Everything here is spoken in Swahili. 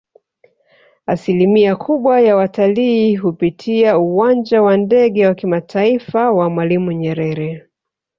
Asilimia kubwa ya watalii hupitia uwanja wa Ndege wa kimataifa wa Mwalimu Nyerere